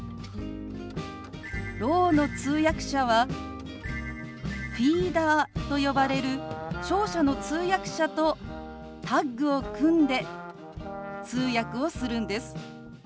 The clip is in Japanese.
ろうの通訳者はフィーダーと呼ばれる聴者の通訳者とタッグを組んで通訳をするんです。